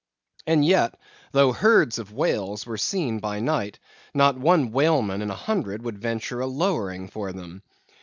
And yet, though herds of whales were seen by night, not one whaleman in a hundred would venture a lowering for them.